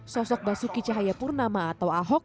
sosok basuki cahayapurnama atau ahok